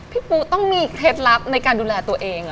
ปูต้องมีเคล็ดลับในการดูแลตัวเอง